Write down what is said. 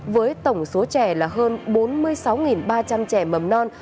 với tổng số trẻ là hơn bốn mươi sáu ba trăm linh trẻ mầm non